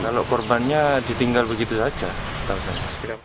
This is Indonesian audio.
kalau korbannya ditinggal begitu saja setahu saya